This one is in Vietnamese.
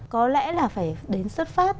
có lẽ là phải đến xuất phát